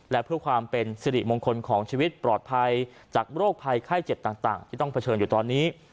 และเพื่อความเป็นสิริมงคลของชีวิตปลอดภัยจากโรคภัยไข้เจ็บต่างที่ต้องเผชิญอยู่ตอนนี้